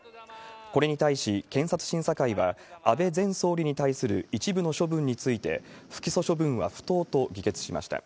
これに対し検察審査会は、安倍前総理に対する一部の処分について、不起訴処分は不当と議決しました。